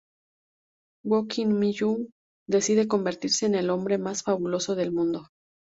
Woo Ki Myung decide convertirse en el hombre más fabuloso del mundo.